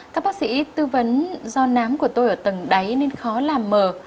các bác sĩ tư vấn do nám của tôi ở tầng đáy nên khó làm mờ